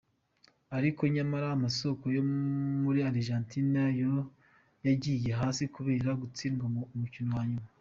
Ariko nyamara amasoko yo muri Argentine yo yagiye hasi kubera gutsindwa umukino wa nyuma.